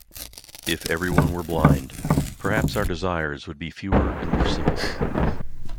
If everyone were blind, perhaps our desires would be fewer and more simple.